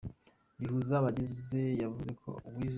rihuza abize yavuze ko uwize.